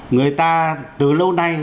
người ta từ lâu nay